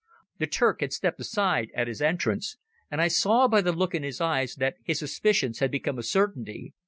The Turk had stepped aside at his entrance, and I saw by the look in his eyes that his suspicions had become a certainty.